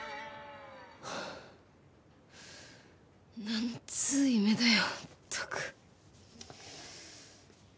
なんつう夢だよったく。